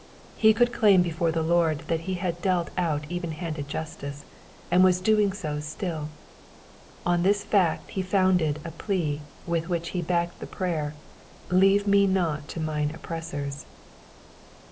He could claim before the Lord that he had dealt out even handed justice, and was doing so still. On this fact he founded a plea with which he backed the prayer — ''''Leave me not to mine oppressors.'